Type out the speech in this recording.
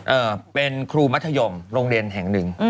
เอ่อเป็นครูมัธยมโรงเรียนแห่งหนึ่ง